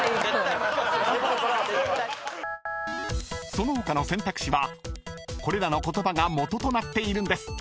［その他の選択肢はこれらの言葉が元となっているんです］